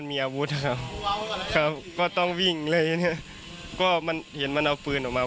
ไม่ช่วยเพื่อนเหรอหรือว่า